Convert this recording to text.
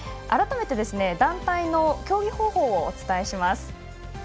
改めて、団体の競技方法をお伝えします。